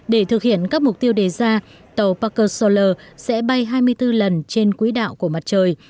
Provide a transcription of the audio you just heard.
để thực hiện các mục tiêu đề ra tàu pacer solar sẽ bay hai mươi bốn lần trên quỹ đạo của mặt trời